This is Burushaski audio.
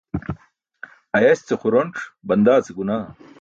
Ayaś ce xuronc, bandaa ce gunaah.